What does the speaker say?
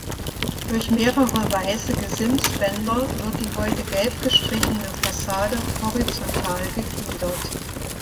Durch mehrere weiße Gesimsbänder wird die heute gelb gestrichene Fassade horizontal gegliedert.